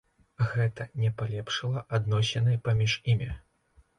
Гэта не палепшыла адносіны паміж імі.